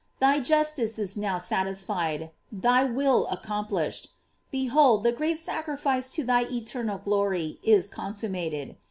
Thy justice is now satisfied, thy will accomplished; behold, the great sacrifice to thy eternal glory is con gummated.